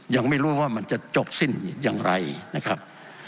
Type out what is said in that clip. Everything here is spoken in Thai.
ยังไม่รู้ว่ามันจะจบสิ้นอย่างไรนะครับ